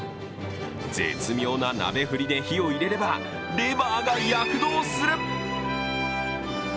絶妙な鍋振りで火を入れれば、レバーが躍動する！